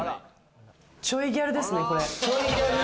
ちょいギャルですね、これ。